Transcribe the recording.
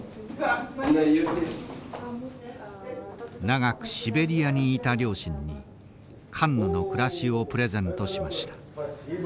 長くシベリアにいた両親にカンヌの暮らしをプレゼントしました。